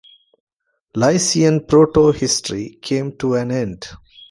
Lycian proto-history came to an end.